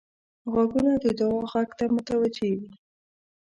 غوږونه د دعا غږ ته متوجه وي